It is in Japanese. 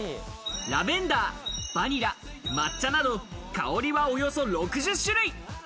ラベンダー、バニラ、抹茶など香りはおよそ６０種類。